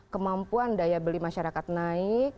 kemampuan daya beli masyarakat naik